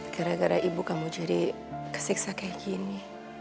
gara gara ibu kamu jadi kesiksa kayak gini